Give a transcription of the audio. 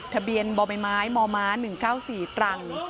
ทะเบียนบมม๑๙๔ตรัง